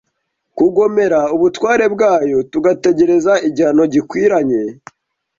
kugomera ubutware bwayo, tugategereza igihano gikwiranye